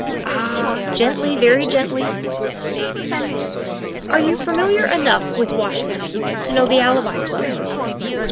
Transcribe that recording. Ah! Gently very gently." Are you familiar enough with Washington to know the Alibi Club?